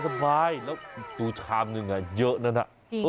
สบายแล้วดูชามนึงเยอะนะ